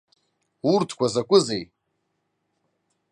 Урҭқәа закәызеи!